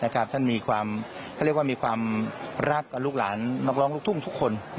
เขาเรียกว่ามีความรับลูกหลานรับร้องลูกทุ่งทุกคน